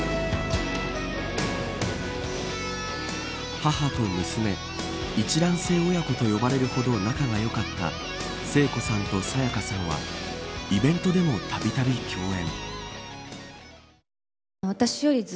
母と娘一卵性親子と呼ばれるほど仲がよかった聖子さんと沙也加さんはイベントでもたびたび共演。